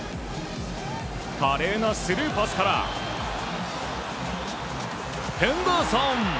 華麗なスルーパスからヘンダーソン！